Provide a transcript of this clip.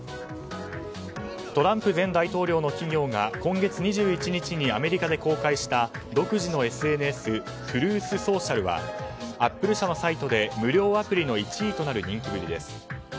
トランプ前大統領の企業が今月２１日にアメリカで公開した独自のＳＮＳＴｒｕｔｈＳｏｃｉａｌはアップル社のサイトで無料アプリの１位となる人気ぶりです。